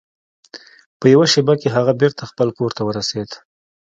په یوه شیبه کې هغه بیرته خپل کور ته ورسید.